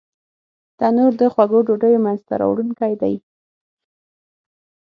تنور د خوږو ډوډیو مینځ ته راوړونکی دی